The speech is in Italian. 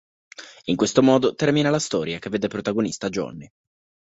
In questo modo termina la storia che vede protagonista Johnny.